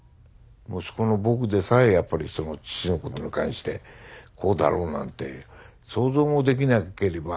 息子の僕でさえやっぱりその父のことに関してこうだろうなんて想像もできなければ。